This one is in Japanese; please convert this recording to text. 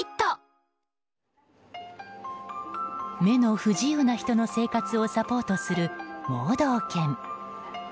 目の不自由な人の生活をサポートする盲導犬。